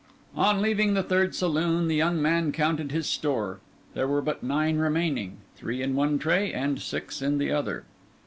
On leaving the third saloon the young man counted his store. There were but nine remaining, three in one tray and six in the other.